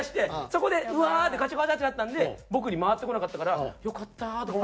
そこでうわーってガチ話になったんで僕に回ってこなかったからよかったとか思ったんですけど。